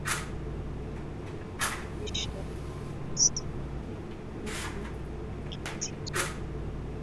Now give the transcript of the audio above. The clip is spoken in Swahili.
Jacob alionyesha tabasamu huku akiketi chini